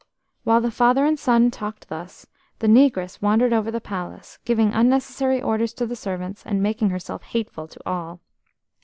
While the father and son talked thus together, the negress wandered over the palace, giving unnecessary orders to the servants, and making herself hateful to all.